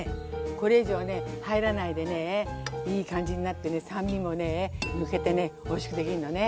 これ以上ね入らないでねいい感じになってね酸味もね抜けてねおいしくできんのね。